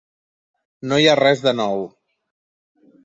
No hi ha res de nou.